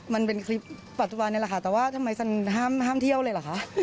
มันเป็นคลิปปัจจุบันนี้แหละค่ะแต่ว่าทำไมฉันห้ามเที่ยวเลยเหรอคะ